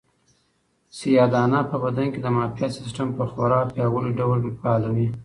سیاه دانه په بدن کې د معافیت سیسټم په خورا پیاوړي ډول فعالوي.